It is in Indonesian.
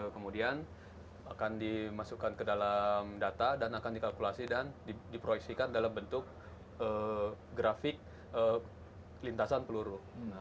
kemudian akan dimasukkan ke dalam data dan akan dikalkulasi dan diproyeksikan dalam bentuk grafik lintasan peluru